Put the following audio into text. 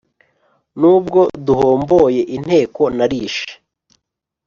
N’ubwo duhomboye inteko nalishe.